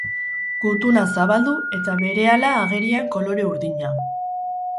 Gutuna zabaldu eta berehala agerian kolore urdina.